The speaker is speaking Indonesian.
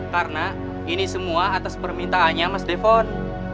karena ini semua atas permintaannya mas defon